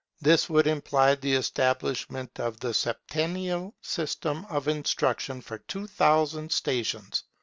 This would imply the establishment of the septennial system of instruction in two thousand stations.